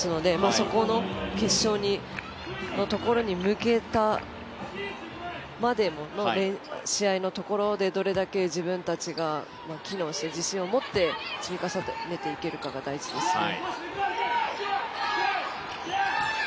そこの決勝のところに向けたまでの、試合のところでどれだけ自分たちが機能して自信を持って積み重ねていけるかが大事ですね。